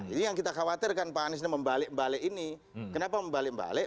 ini yang kita khawatirkan pak anies ini membalik balik ini kenapa membalik balik